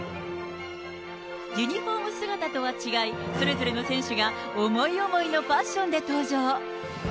ユニホーム姿とは違い、それぞれの選手が思い思いのファッションで登場。